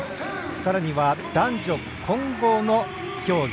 さらには、男女混合の競技。